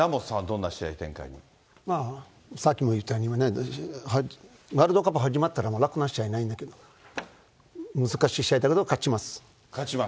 さっきも言ったようにね、ワールドカップ始まったら、楽な試合ないんだけど、難しい試合だけど勝ちます。